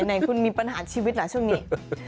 ไหนคุณมีปัญหาชีวิตล่ะช่วงนี้